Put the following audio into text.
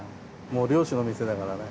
漁師の店だからね。